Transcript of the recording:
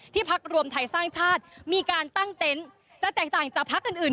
พักรวมไทยสร้างชาติมีการตั้งเต็นต์จะแตกต่างจากพักอื่น